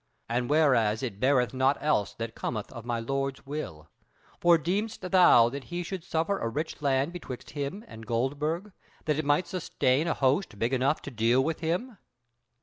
And whereas it beareth naught else, that cometh of my lord's will: for deemest thou that he should suffer a rich land betwixt him and Goldburg, that it might sustain an host big enough to deal with him?"